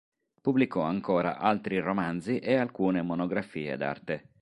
Pubblicò ancora altri romanzi e alcune monografie d'arte.